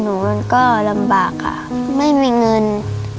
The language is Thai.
หนูก็เลยไปช่วยพ่อทำงานเพื่อหาเงินมาพาน้องไปผ่าตัดค่ะ